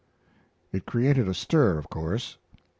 It created a stir, of course.